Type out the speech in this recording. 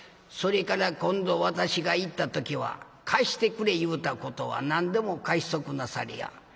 「それから今度私が行った時は貸してくれ言うたことは何でも貸しとくなされや」。